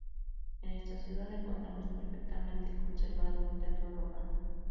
En esta ciudad encontramos perfectamente conservado un teatro romano.